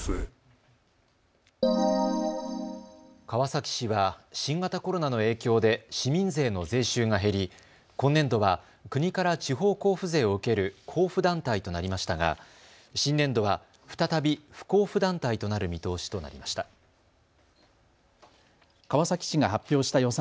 川崎市は新型コロナの影響で市民税の税収が減り今年度は国から地方交付税を受ける交付団体となりましたが新年度は再び不交付団体となる見通しとなりました。